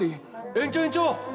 延長延長！